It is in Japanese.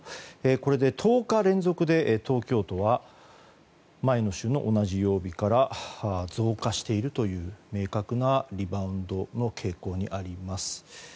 これで１０日連続で東京都は前の週の同じ曜日から増加しているという明確なリバウンドの傾向にあります。